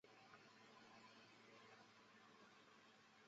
在该位置挖掘的神像残块现在存放在卡皮托利尼博物馆。